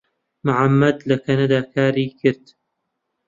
محەممەد لە کەنەدا کاری کرد.